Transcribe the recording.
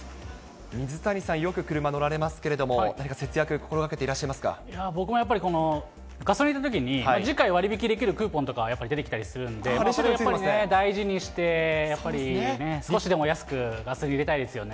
水谷さん、よく車乗られますけれども、何か節約、心がけていらっしゃい僕もやっぱり、ガソリン入れたときに、次回割引できるクーポンとかやっぱり出てきたりするんで、やっぱりね、大事にして、やっぱり少しでも安くガソリン入れたいですよね。